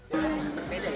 bersama dengan kita saat ini